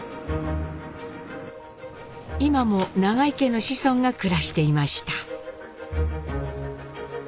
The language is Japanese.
今も永井家の子孫が暮らしていました。